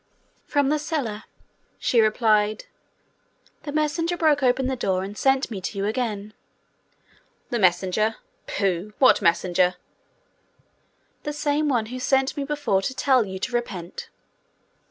'From the cellar,' she replied. 'The messenger broke open the door, and sent me to you again.' 'The messenger! Pooh! What messenger?' 'The same who sent me before to tell you to repent.'